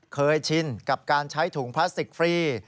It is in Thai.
ชินกับการใช้ถุงพลาสติกฟรี